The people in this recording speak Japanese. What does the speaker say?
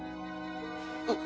あっ。